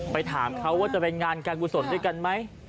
ไปถามเขาว่าจะเป็นงานการผู้สนด้วยกันไหม